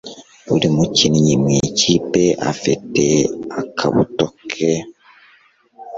Buri mukinnyi mu ikipe afite akabuto ke.